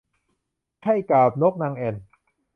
ไข้กาฬนกนางแอ่น